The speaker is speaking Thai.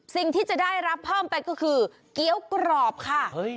สิ่งที่จะได้รับเพิ่มไปก็คือเกี้ยวกรอบค่ะ